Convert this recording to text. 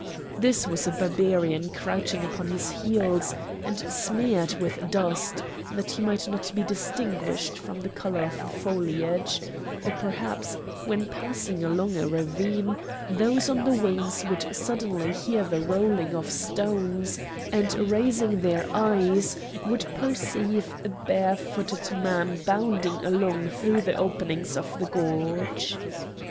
This was a Barbarian crouching upon his heels, and smeared with dust, that he might not be distinguished from the colour of the foliage; or perhaps when passing along a ravine those on the wings would suddenly hear the rolling of stones, and raising their eyes would perceive a bare footed man bounding along through the openings of the gorge.